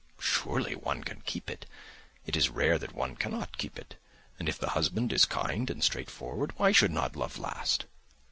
Surely one can keep it! It is rare that one cannot keep it. And if the husband is kind and straightforward, why should not love last?